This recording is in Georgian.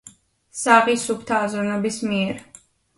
საღი, სუფთა აზროვნების მიერ.